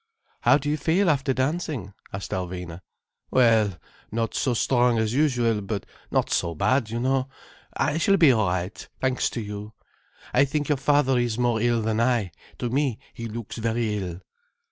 "How do you feel after dancing?" asked Alvina. "Well—not so strong as usual—but not so bad, you know. I shall be all right—thanks to you. I think your father is more ill than I. To me he looks very ill."